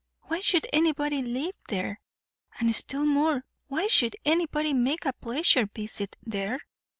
why should anybody live there? and still more, why should anybody make a pleasure visit there?